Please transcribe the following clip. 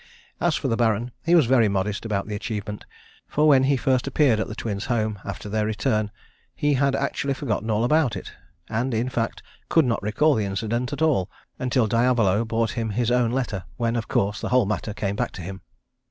As for the Baron he was very modest about the achievement, for when he first appeared at the Twins' home after their return he had actually forgotten all about it, and, in fact, could not recall the incident at all, until Diavolo brought him his own letter, when, of course, the whole matter came back to him.